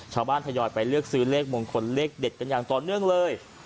ทยอยไปเลือกซื้อเลขมงคลเลขเด็ดกันอย่างต่อเนื่องเลย